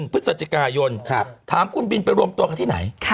พฤศจิกายนถามคุณบินไปรวมตัวกันที่ไหน